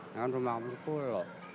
yang rumah aku di kulo